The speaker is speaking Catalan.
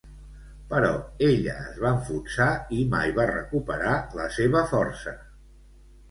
Però ella es va enfonsar i mai va recuperar la seva força.